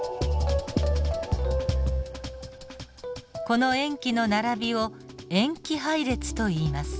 この塩基の並びを塩基配列といいます。